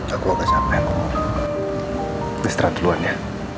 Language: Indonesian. aku gak sampai aku mau istirahat duluan ya